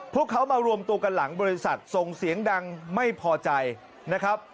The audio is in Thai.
พวกเขามารวมตัวกันหลังบริษัทส่งเสียงดังไม่พอใจนะครับ